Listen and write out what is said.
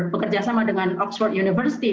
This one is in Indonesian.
bekerjasama dengan oxford university